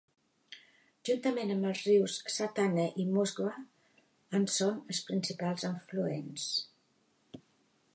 Juntament amb els rius Sahtaneh i Muskwa en són els principals afluents.